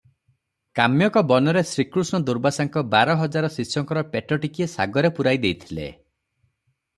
କାମ୍ୟକ ବନରେ ଶ୍ରୀକୃଷ୍ଣ ଦୁର୍ବାସାଙ୍କ ବାର ହଜାର ଶିଷ୍ୟଙ୍କର ପେଟ ଟିକିଏ ଶାଗରେ ପୂରାଇ ଦେଇଥିଲେ ।